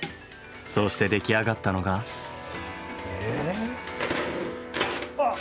そうして出来上がったのが。え？あっ！